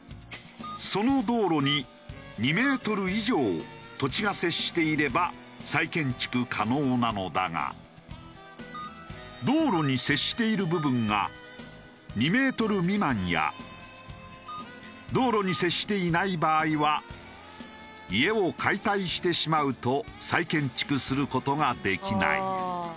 その道路に２メートル以上土地が接していれば再建築可能なのだが道路に接している部分が２メートル未満や道路に接していない場合は家を解体してしまうと再建築する事ができない。